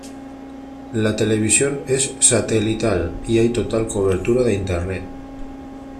La televisión es satelital y hay total cobertura de internet.